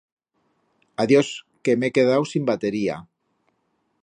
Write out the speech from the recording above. Adiós, que m'he quedau sin batería.